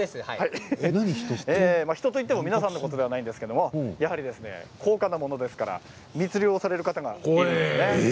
人といっても皆さんのことではないんですけれど高価なものですから密漁される方がいるんですね。